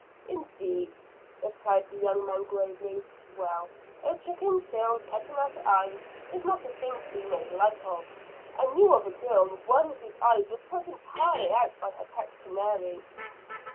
"Indeed!" replied the young man gravely; "well, a chicken's bill, pecking at your eyes, is not a thing to be made light of. I knew of a girl, one of whose eyes was put entirely out by her pet canary."